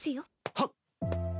はっ。